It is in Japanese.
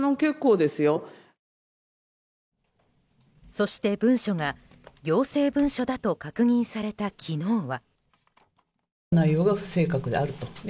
そして文書が行政文書だと確認された昨日は。